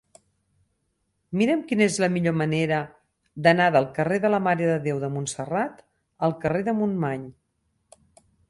Mira'm quina és la millor manera d'anar del carrer de la Mare de Déu de Montserrat al carrer de Montmany.